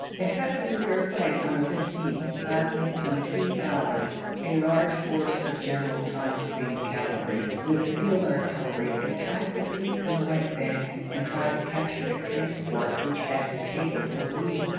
They had a severe fight on the 15tb, lasting some two hours ; a large force of General Thomas Green's cavalry, with field artillery, attacked the fleet from the right bank and tried to capture a transport which had disabled her wheel.